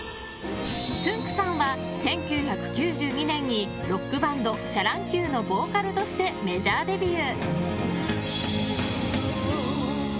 つんく♂さんは１９９２年に、ロックバンドシャ乱Ｑのボーカルとしてメジャーデビュー。